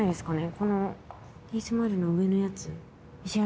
このＴスマイルの上のやつ。